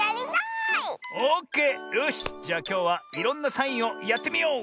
オッケーよしじゃあきょうはいろんなサインをやってみよう！